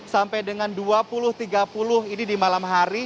sampai dengan dua puluh tiga puluh ini di malam hari